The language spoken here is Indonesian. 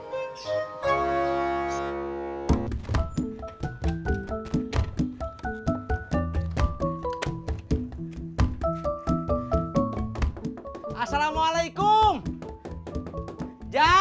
meny ceo juga ada ayo jemput lokasi untuk ini pregnant